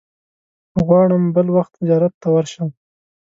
غواړم بل وخت زیارت ته ورشم.